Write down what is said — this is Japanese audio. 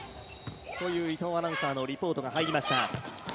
伊藤アナウンサーのリポートが入りました。